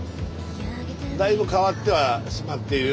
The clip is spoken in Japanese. だいぶ変わってはしまっている？